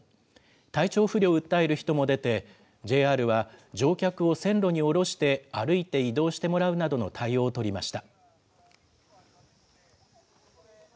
体調不良を訴える人も出て、ＪＲは乗客を線路に降ろして、歩いて移動してもらうなどの対応を取りました。